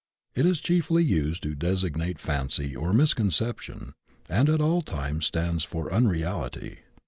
It is chiefly used to designate fancy or misconception and at all times stands for un reality.